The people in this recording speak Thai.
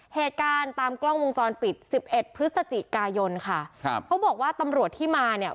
เหตุการณ์ตามกล้องวงจรปิดสิบเอ็ดพฤศจิกายนค่ะครับเขาบอกว่าตำรวจที่มาเนี่ย